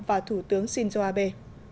và thủ tướng shinzo abe